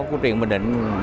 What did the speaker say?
của truyền bình định